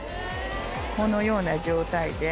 このような状態で。